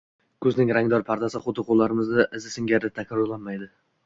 Ko`zning rangdor pardasi xuddi qo`llarimiz izi singari takrorlanmaydi